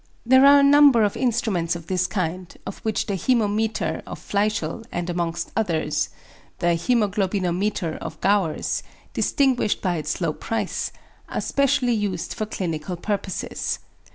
There are a number of instruments of this kind, of which the "hæmometer" of Fleischl, and amongst others, the "hæmoglobinometer" of Gowers, distinguished by its low price, are specially used for clinical purposes.